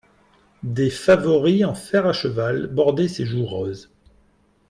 Des favoris en fer a cheval bordaient ses joues roses.